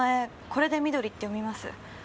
これで「慧」って読みます。